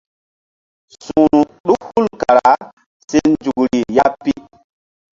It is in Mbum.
Su̧hru ɗuk hul kara se nzukri ya pi.